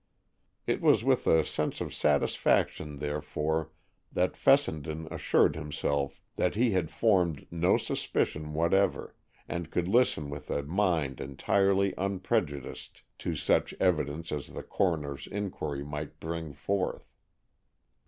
It was with a sense of satisfaction therefore that Fessenden assured himself that he had formed no suspicions whatever, and could listen with a mind entirely unprejudiced to such evidence as the coroner's inquiry might bring forth.